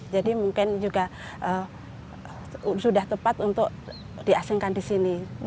jadi mungkin juga sudah tepat untuk diasingkan disini